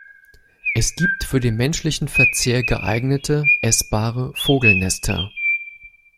Es gibt für den menschlichen Verzehr geeignete essbare Vogelnester.